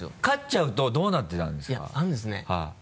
勝っちゃうとどうなってたんですか？